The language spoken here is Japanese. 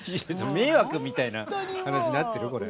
迷惑みたいな話になってる？